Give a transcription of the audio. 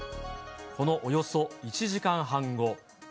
このおよそ１時間半後。